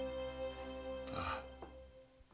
ああ。